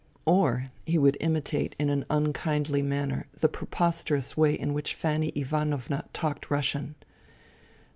" Or he would imitate in an unkindly manner the preposterous way in which Fanny Ivanovna talked Russian.